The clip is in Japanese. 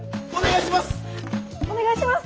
お願いします！